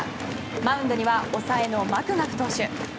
マウンドには抑えのマクガフ投手。